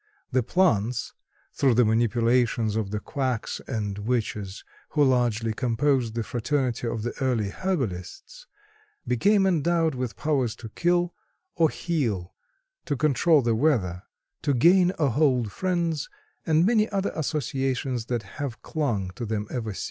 The plants, through the manipulations of the quacks and witches, who largely composed the fraternity of the early herbalists, became endowed with powers to kill or heal, to control the weather, to gain or hold friends, and many other associations that have clung to them ever since.